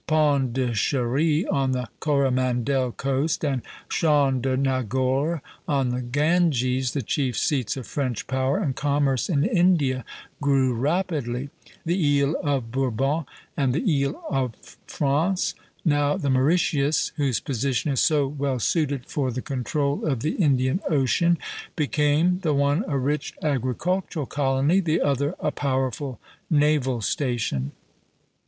Pondicherry on the Coromandel coast, and Chandernagore on the Ganges, the chief seats of French power and commerce in India, grew rapidly; the Isle of Bourbon and the Isle of France, now the Mauritius, whose position is so well suited for the control of the Indian Ocean, became, the one a rich agricultural colony, the other a powerful naval station.